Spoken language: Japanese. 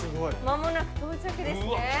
間もなく到着ですね。